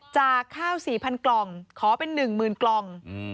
จากข้าว๔๐๐กล่องขอเป็น๑๐๐๐กล่อง